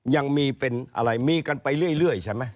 ยังมีเป็นอะไรมีกันไปเรื่อยใช่ไหม